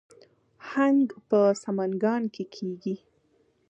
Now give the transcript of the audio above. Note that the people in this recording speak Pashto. هنګ په سمنګان کې کیږي